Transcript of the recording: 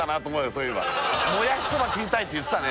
そういえばもやしそば食いたいって言ってたね